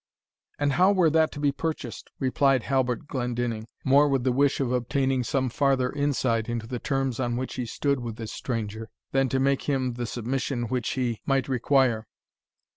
"And how were that to be purchased?" replied Halbert Glendinning, more with the wish of obtaining some farther insight into the terms on which he stood with this stranger, than to make him the submission which he might require.